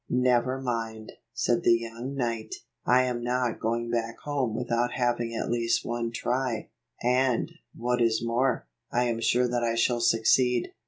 " Never mind," said the young knight. " I am not going back home without having at least one try; and, what is more, I am sure that I shall succeed.